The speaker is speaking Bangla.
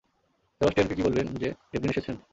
সেবাস্টিয়ানকে কি বলবেন যে ডেভলিন এসেছেন?